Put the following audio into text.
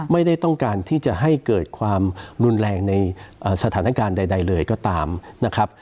ไม่ได้ต้องการที่จะให้เกิดความรุนแรงในสถานการณ์ใดเลยก็ตามนะครับ